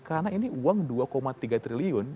karena ini uang dua tiga triliun